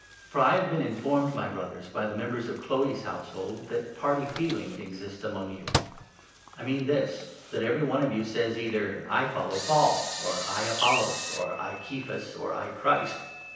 For I have n been informed, my Brothers, by the members of Chloe's house 310 I. CORINTHIANS, 1. hold, that party feeling exists among you. I mean this, 12 that every one of you says either ' I follow Paul,' or ' I Apollos,' or ' I Kephas,' or ' I Christ.'